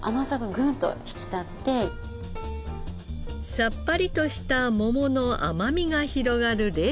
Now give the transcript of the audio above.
さっぱりとした桃の甘みが広がる冷製パスタ。